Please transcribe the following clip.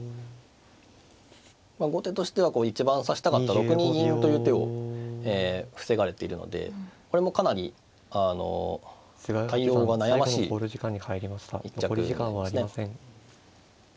後手としては一番指したかった６二銀という手を防がれているのでこれもかなり対応が悩ましい一着ですね。